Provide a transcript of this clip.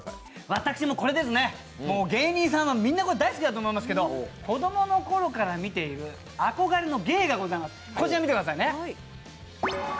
私、これです、芸人さんもみんな大好きだと思いますけど子供のころから見ている憧れの芸がございます。